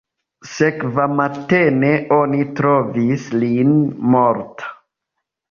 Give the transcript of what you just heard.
Sekvamatene oni trovis lin morta.